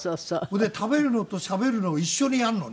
それで食べるのとしゃべるのを一緒にやんのね。